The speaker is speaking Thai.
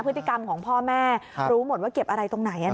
พฤติกรรมของพ่อแม่รู้หมดว่าเก็บอะไรตรงไหน